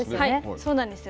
そうなんですよ。